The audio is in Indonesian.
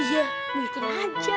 iya mungkin aja